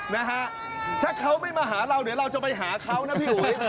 นะฮะถ้าเขาไม่มาหาเราเดี๋ยวเราจะไปหาเขานะพี่อุ๋ย